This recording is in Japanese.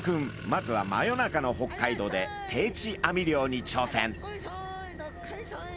まずは真夜中の北海道で定置網漁にちょうせん。